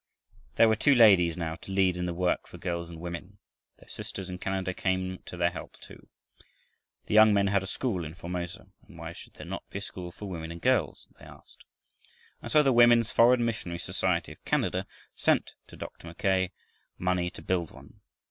There were two ladies now to lead in the work for girls and women. Their sisters in Canada came to their help too. The young men had a school in Formosa, and why should there not be a school for women and girls? they asked. And so the Women's Foreign Missionary Society of Canada sent to Dr. Mackay money to build one.